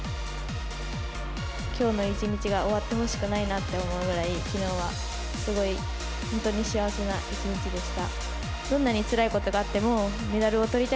きょうの一日が終わってほしくないなと思うぐらい、きのうはすごい本当に幸せな一日でした。